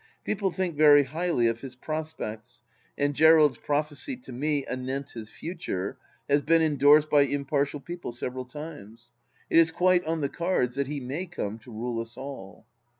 People think very highly of his prospects, and Gerald's prophecy to me anent his future has been endorsed by impartial people several times. It is quite on the cards that he may come to rule us all.